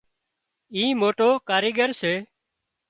اي موٽو ڪاريڳر سي